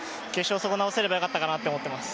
そこ直せればよかったと思います。